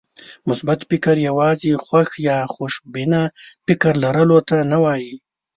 مثبت فکر يوازې خوښ يا خوشبينه فکر لرلو ته نه وایي.